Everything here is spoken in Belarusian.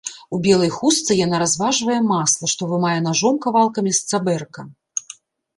У белай хустцы яна разважвае масла, што вымае нажом кавалкамі з цабэрка.